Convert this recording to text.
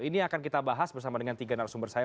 ini akan kita bahas bersama dengan tiga narasumber saya